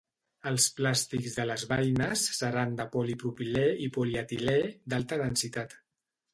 Els plàstics de les baines seran de polipropilè o polietilè d'alta densitat.